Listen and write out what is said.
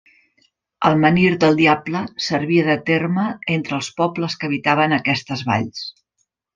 El menhir del Diable servia de terme entre els pobles que habitaven aquestes valls.